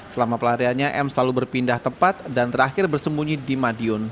selama pelariannya m selalu berpindah tempat dan terakhir bersembunyi di madiun